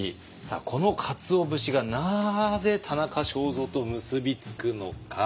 このかつお節がなぜ田中正造と結び付くのか。